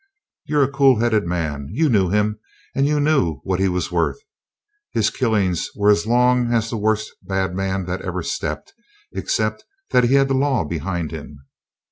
You're a cool headed man. You knew him, and you knew what he was worth. His killings were as long as the worst bad man that ever stepped, except that he had the law behind him.